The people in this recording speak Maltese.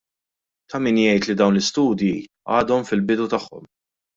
Ta' min jgħid li dawn l-istudji għadhom fil-bidu tagħhom.